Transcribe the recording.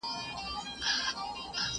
څومره غښتلی څومره بېباکه!